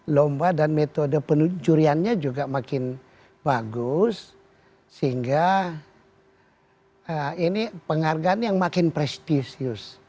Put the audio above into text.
lomba dan metode penunjuriannya juga makin bagus sehingga ini penghargaan yang makin prestisius